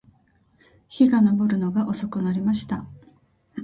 日が登るのが遅くなりました